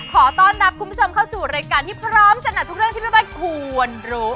ขอต้อนรับคุณผู้ชมเข้าสู่รายการที่พร้อมจัดหนักทุกเรื่องที่แม่บ้านควรรู้